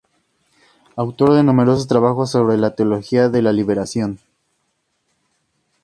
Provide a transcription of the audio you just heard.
Autor de numerosos trabajos sobre la teología de la liberación.